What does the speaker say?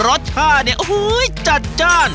รสชาติเนี่ยโอ้โหจัดจ้าน